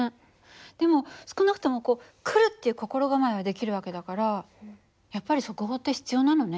でも少なくともこう来るっていう心構えはできる訳だからやっぱり速報って必要なのね。